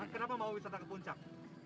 kenapa mau wisata ke puncak